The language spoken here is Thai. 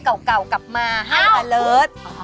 โดกใจก็โดด